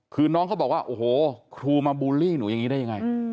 คือน้องเขาบอกว่าโอ้โหครูมาบูลลี่หนูอย่างนี้ได้ยังไง